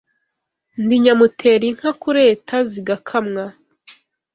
Ndi nyamutera inka kureta zigakamwa